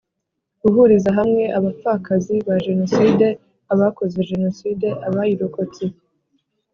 Guhuriza hamwe abapfakazi ba Jenoside abakoze Jenoside abayirokotse